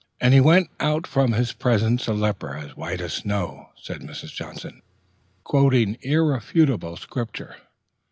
"And he went out from his presence a leper as white as snow," said Mrs. Johnson, quoting irrefutable Scripture.